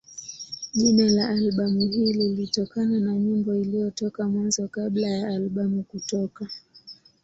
Jina la albamu hii lilitokana na nyimbo iliyotoka Mwanzo kabla ya albamu kutoka.